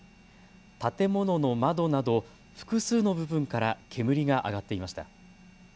建物の窓など複数の部分から煙が上がっていました。